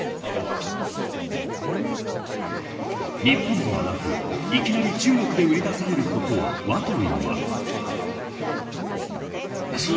日本ではなくいきなり中国で売り出されることをＷＡＴＷＩＮＧは。